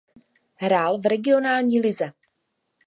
Hrál v regionální lize.